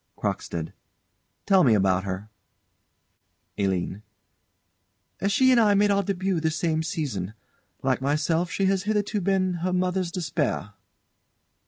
CROCKSTEAD. Tell me about her. ALINE. She and I made our debut the same season. Like myself she has hitherto been her mother's despair.